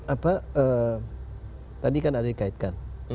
apa tadi kan ada dikaitkan